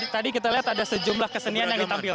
tadi kita lihat ada sejumlah kesenian yang ditampilkan